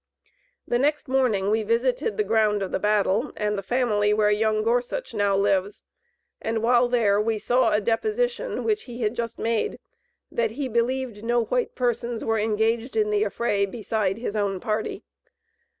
The next morning we visited the ground of the battle, and the family where young Gorsuch now lives, and while there, we saw a deposition which he had just made, that he believed no white persons were engaged in the affray, beside his own party.